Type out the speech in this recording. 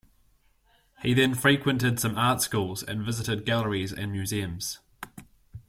He then frequented some art schools, and visited galleries and museums.